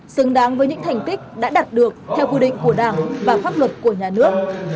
xứng đáng với những thành tích đã đạt được theo quy định của đảng và pháp luật của nhà nước